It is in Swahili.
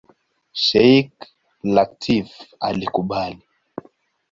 Sheikh Lateef alikubali.